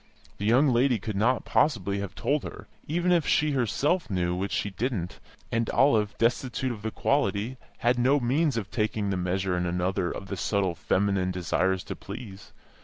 This young lady could not possibly have told her (even if she herself knew, which she didn't), and Olive, destitute of the quality, had no means of taking the measure in another of the subtle feminine desire to please.